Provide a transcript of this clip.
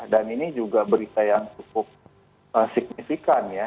dan ini juga berita yang cukup signifikan ya